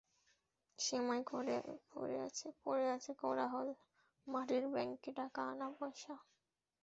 সেমাই পড়ে আছে, পড়ে আছে কোলাহল, মাটির ব্যাংকে টাকা আনা পয়সা।